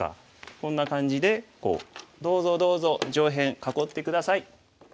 こんな感じでこう「どうぞどうぞ上辺囲って下さい」。